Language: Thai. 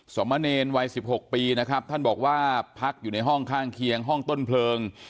สมเนรวัย๑๖ปีนะครับท่านบอกว่าพักอยู่ในห้องข้างเคียงห้องต้นเพลิง